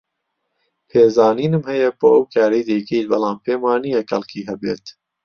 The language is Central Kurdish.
پێزانینم هەیە بۆ ئەو کارەی دەیکەیت، بەڵام پێم وانییە کەڵکی هەبێت.